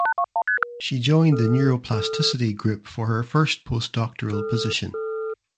She joined the Neuroplasticity group for her first postdoctoral position.